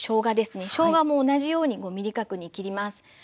しょうがも同じように５ｍｍ角に切ります。